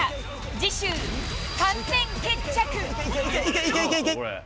次週、完全決着。